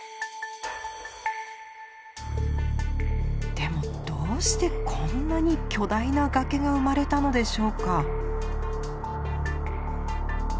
でもどうしてこんなに巨大な崖が生まれたのでしょうか。